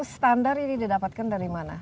standar ini didapatkan dari mana